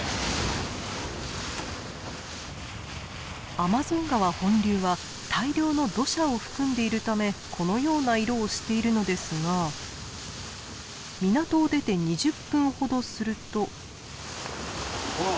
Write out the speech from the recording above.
アマゾン川本流は大量の土砂を含んでいるためこのような色をしているのですが港を出て２０分ほどすると。